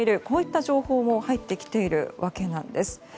こういった情報も入ってきているわけなんです。